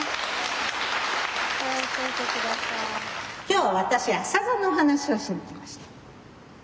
今日は私アサザの話をしに来ました。